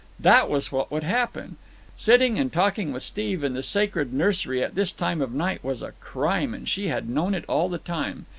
That was what would happen. Sitting and talking with Steve in the sacred nursery at this time of night was a crime, and she had known it all the time.